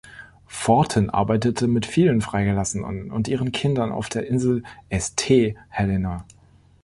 Forten arbeitete mit vielen Freigelassenen und ihren Kindern auf der Insel St. Helena.